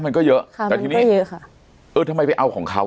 มันก็เยอะค่ะแต่ทีนี้ค่ะเออทำไมไปเอาของเขา